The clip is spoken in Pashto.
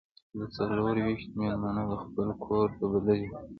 زه څلور ویشت میلمانه د خپل کور ته بللي دي.